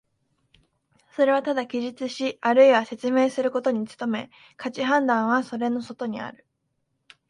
それはただ記述しあるいは説明することに努め、価値判断はそれの外にある。